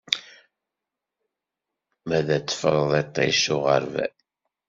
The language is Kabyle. M ad d-teffreḍ iṭij s uɣerbal!